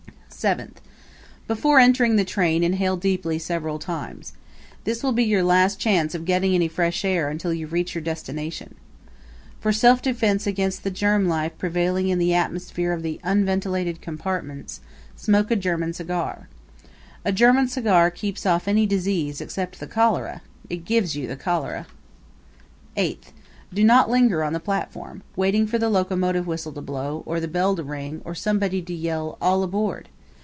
Seventh Before entering the train inhale deeply several times. This will be your last chance of getting any fresh air until you reach your destination. For self defense against the germ life prevailing in the atmosphere of the unventilated compartments, smoke a German cigar. A German cigar keeps off any disease except the cholera; it gives you the cholera. Eighth Do not linger on the platform, waiting for the locomotive whistle to blow, or the bell to ring, or somebody to yell "All aboard!"